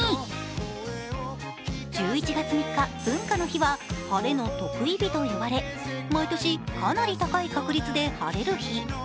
１１月３日、文化の日は晴れの特異日といわれ、毎年かなり高い確率で晴れる日。